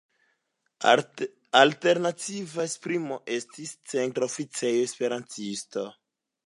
Alternativa esprimo estis "Centra Oficejo Esperantista".